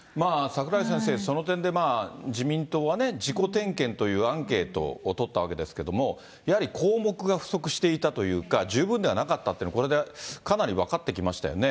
櫻井先生、その点で自民党はね、自己点検というアンケートを取ったわけですけども、やはり項目が不足していたというか、十分ではなかったっていうのが、これでかなり分かってきましたよね。